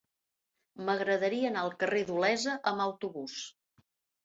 M'agradaria anar al carrer d'Olesa amb autobús.